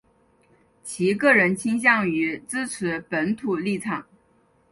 其个人倾向于支持本土立场。